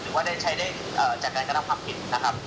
ถือว่าใช้ได้จัดการการทำความผิดนะครับ